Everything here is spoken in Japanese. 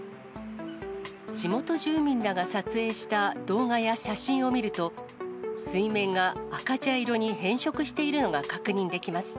地元住民らが撮影した動画や写真を見ると、水面が赤茶色に変色しているのが確認できます。